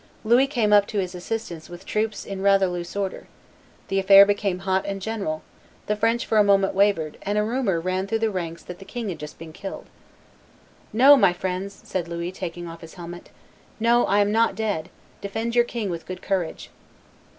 Louis came up to his assistance with troops in rather loose order; the affair became hot and general; the French for a moment wavered, and a rumor ran through the ranks that the king had just been killed. "No, my friends," said Louis, taking off his helmet, "no, I am not dead; defend your king with good courage."